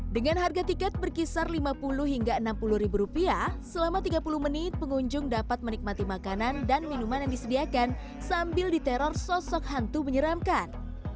dengan harga tiket berkisar lima puluh hingga enam puluh ribu rupiah selama tiga puluh menit pengunjung dapat menikmati makanan dan minuman yang disediakan sambil diteror sosok hantu menyeramkan